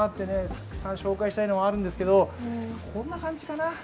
たくさん紹介したいのがあるんですけどこんな感じかな。